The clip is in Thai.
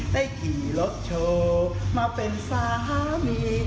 ขี่รถโชว์มาเป็นสามี